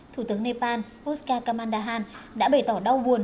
thủ tướng nepal pusca kamandahan đã bày tỏ đau buồn